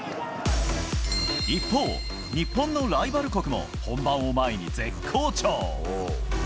一方、日本のライバル国も本番を前に絶好調。